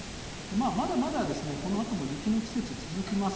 まだまだ、このあとも雪の季節続きます。